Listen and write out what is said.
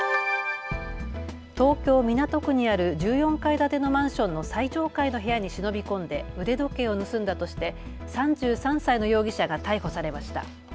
東京港区にある１４階建てのマンションの最上階の部屋に忍び込んで腕時計を盗んだとして３３歳の容疑者が逮捕されました。